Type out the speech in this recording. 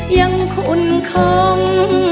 ยังคุ้นคล่อง